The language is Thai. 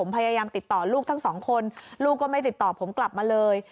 พยายามติดต่อลูกทั้งสองคนลูกก็ไม่ติดต่อผมกลับมาเลย